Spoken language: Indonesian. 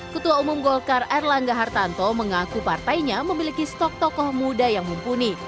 ketua umum golkar erlangga hartanto mengaku partainya memiliki stok tokoh muda yang mumpuni